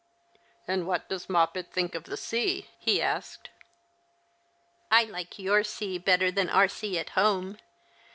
" And \^ hat does Moppet think of the sea ?" he asked. " I like your sea better than our sea at home.